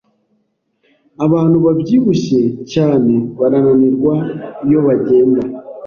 Abantu babyibushye cyane barananirwa iyo bagenda